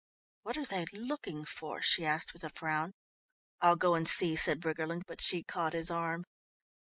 "What are they looking for?" she asked with a frown. "I'll go and see," said Briggerland, but she caught his arm.